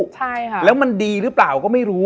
ใช่ค่ะแล้วมันดีหรือเปล่าก็ไม่รู้